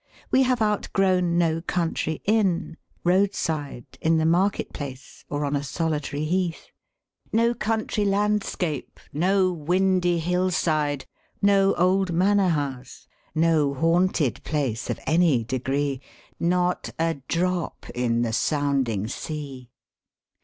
We have outgrown no country inn — roadside, in the market place, or on a solitary heath ; no country landscape, no windy hill side, no old manor house, no haunted place of any degree, not a drop in the sounding sea.